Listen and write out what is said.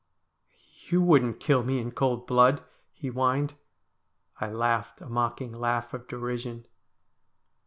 ' You wouldn't kill me in cold blood,' he whined. I laughed a mocking laugh of derision.